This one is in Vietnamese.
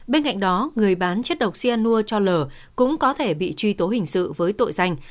bên cạnh đó người bán chất độc xia nua cho lờ cũng có thể bị truy tố hình sự với tội danh